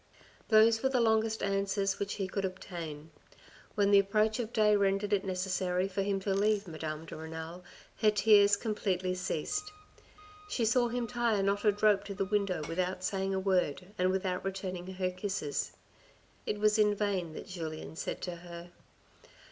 Those were the longest answers which he could obtain. When the approach of day rendered it necessary for him to leave Madame de Renal, her tears completely ceased. She saw him tie a knotted rope to the window without saying a word, and without returning her kisses. It was in vain that Julien said to her.